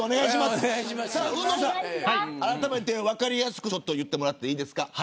海野さん、あらためて分かりやすく言ってもらっていいですか。